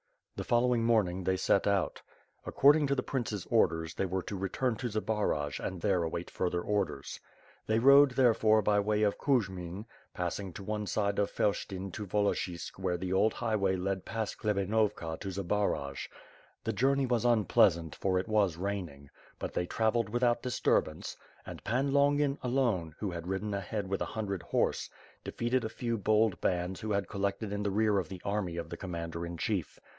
The following morning, they set out. According to the prince's orders, they were to return to Zbaraj and there await further orders. They rode, therefore, by way of Kujmin, passing to one side of Felshtin to Volochisk where the old highway led past Khlebanovka to Zbaraj. The journey was unpleasant, for it was raining; but they travelled without dis turbance, and Pan Longin, alone, who had ridden ahead with a hundred horse, defeated a few bold bands who had collected in the rear of the army of the commander in chief.